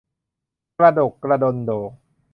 กระดกกระดนโด่